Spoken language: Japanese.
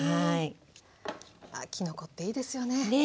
あきのこっていいですよね。ね